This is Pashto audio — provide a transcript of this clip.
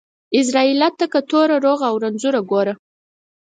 عزرائيله تکه توره ، روغ او رنځور گوره.